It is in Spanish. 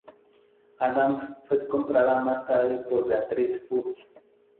Adams fue comprada más tarde por Beatrice Foods.